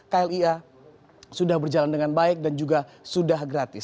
klia sudah berjalan dengan baik dan juga sudah gratis